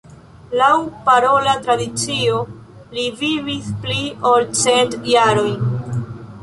Laŭ parola tradicio, li vivis pli ol cent jarojn.